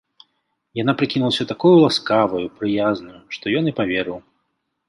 Яна прыкінулася такою ласкаваю, прыязнаю, што ён і паверыў.